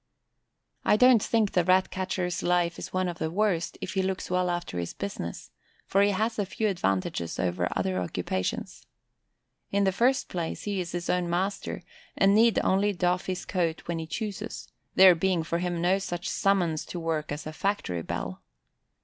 I don't think the Rat catcher's life is one of the worst if he looks well after his business, for he has a few advantages over other occupations. In the first place, he is his own master, and need only doff his coat when he chooses, there being for him no such summons to work as a factory bell.